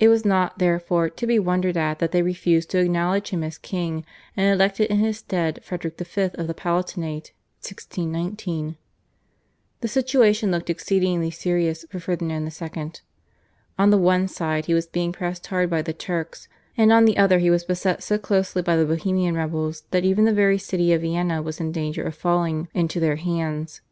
It was not, therefore, to be wondered at that they refused to acknowledge him as king, and elected in his stead Frederick V. of the Palatinate (1619). The situation looked exceedingly serious for Ferdinand II. On the one side he was being pressed hard by the Turks, and on the other he was beset so closely by the Bohemian rebels that even the very city of Vienna was in danger of falling into their hands.